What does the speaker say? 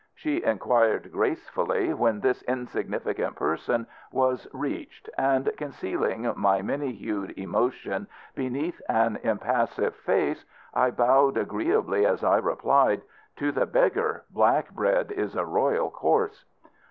she inquired gracefully when this insignificant person was reached, and, concealing my many hued emotion beneath an impassive face, I bowed agreeably as I replied, "To the beggar, black bread is a royal course."